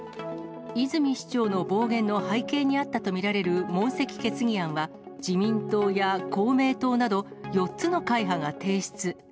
泉市長の暴言の背景にあったと見られる問責決議案は、自民党や公明党など、４つの会派が提出。